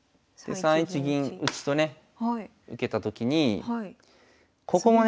３一銀打とね受けたときにここもね